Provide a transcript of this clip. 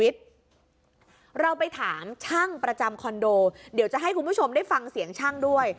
เราไปถามช่างประจำคอนโดเดี๋ยวจะให้คุณผู้ชมได้ฟังเสียงช่างด้วย